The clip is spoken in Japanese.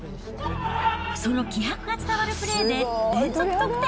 その気迫が伝わるプレーで連続得点。